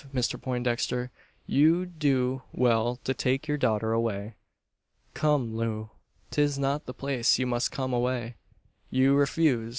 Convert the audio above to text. Mr Poindexter, you'd do well to take your daughter away." "Come, Loo! 'Tis not the place You must come away. You refuse!